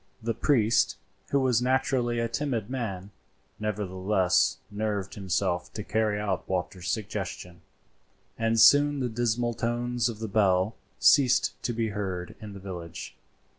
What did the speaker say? The priest, who was naturally a timid man, nevertheless nerved himself to carry out Walter's suggestions, and soon the dismal tones of the bell ceased to be heard in the village.